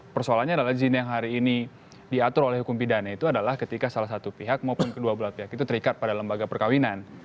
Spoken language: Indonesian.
persoalannya adalah zine yang hari ini diatur oleh hukum pidana itu adalah ketika salah satu pihak maupun kedua belah pihak itu terikat pada lembaga perkawinan